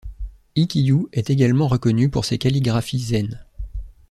Ikkyū est également reconnu pour ses calligraphies zen.